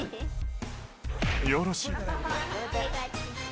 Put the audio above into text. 「よろしいて」